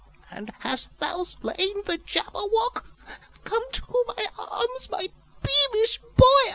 "And hast thou slain the Jabberwock? Come to my arms, my beamish boy!